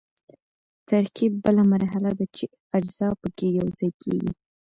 ترکیب بله مرحله ده چې اجزا پکې یوځای کیږي.